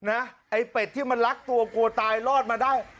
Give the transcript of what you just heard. ไอ้เป็ดที่มันลักตัวกลัวตายรอดมาได้